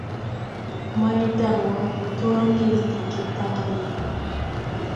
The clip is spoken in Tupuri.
Maydanwa de tɔr ŋgel de getagle.